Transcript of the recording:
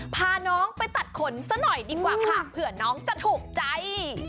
พาน้องไปตัดขนซะหน่อยดีกว่าค่ะเผื่อน้องจะถูกใจ